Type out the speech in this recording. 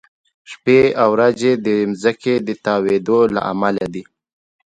شپې او ورځې د ځمکې د تاوېدو له امله دي.